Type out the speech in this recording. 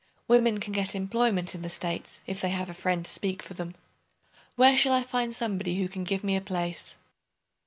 Women can get employment in the States if they have a friend to speak for them. Where shall I find somebody who can give me a place?"